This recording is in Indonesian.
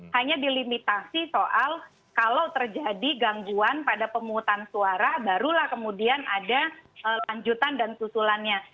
hanya dilimitasi soal kalau terjadi gangguan pada pemungutan suara barulah kemudian ada lanjutan dan susulannya